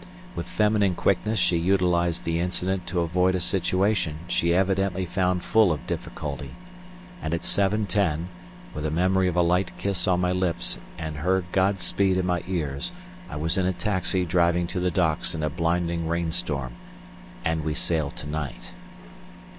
With feminine quickness she utilized the incident to avoid a situation she evidently found full of difficulty, and at 7.10, with the memory of a light kiss on my lips and her God speed in my ears I was in a taxi driving to the docks in a blinding rain storm and we sail to night.